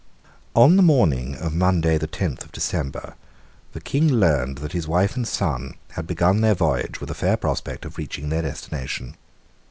On the morning of Monday the tenth of December, the King learned that his wife and son had begun their voyage with a fair prospect of reaching their destination.